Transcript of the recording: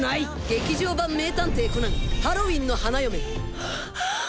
劇場版名探偵コナン、ハロウィンの花嫁。